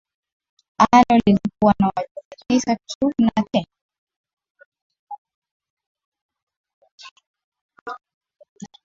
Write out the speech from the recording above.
na wanawake huvaa vikuku vya mbao Wamasai wanawake mara kwa mara hufuma marembesho na